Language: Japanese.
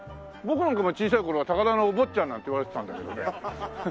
僕なんかも小さい頃は高田のお坊ちゃんなんて言われてたんだけどね。